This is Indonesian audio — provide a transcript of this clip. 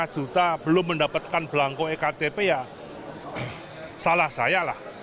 dua lima juta belum mendapatkan belangko ektp ya salah saya lah